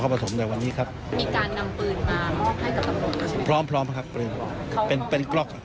เป็นกล๊อก